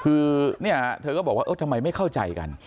คือเนี่ยเธอก็บอกว่าเออทำไมไม่เข้าใจกัน